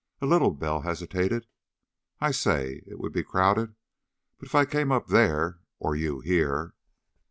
"A little." Bell hesitated. "I say, it would be crowded, but if I came up there, or you here...."